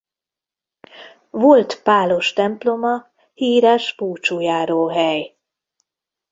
Volt pálos temploma híres búcsújáróhely.